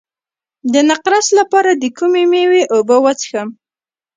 د نقرس لپاره د کومې میوې اوبه وڅښم؟